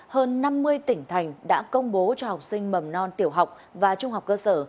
hơn năm mươi tỉnh thành đã công bố cho học sinh mầm non tiểu học và trung học cơ sở